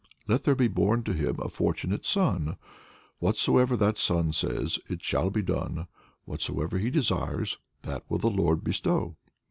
'Let there be born to him a fortunate son. Whatsoever that son says it shall be done: whatsoever he desires that will the Lord bestow!'"